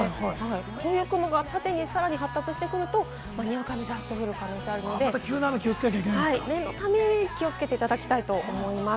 こういった雲が縦にさらに発達してくると、にわか雨がザッと降る可能性があるので、念のため気をつけていただきたいと思います。